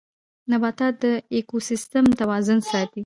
نباتات د ايکوسيستم توازن ساتي